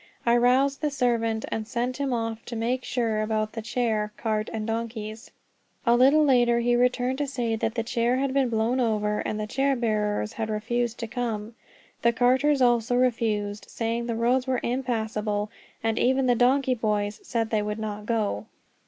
I roused the servant, and sent him off to make sure about the chair, cart, and donkeys. A little later he returned to say that the chair had been blown over, and the chair bearers had refused to come. The carters also refused, saying the roads were impassable; and even the donkey boys said they would not go.